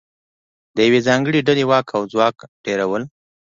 د یوې ځانګړې ډلې واک او ځواک ډېرول